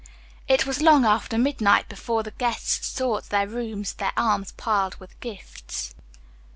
It was long after midnight before the guests sought their rooms, their arms piled with gifts.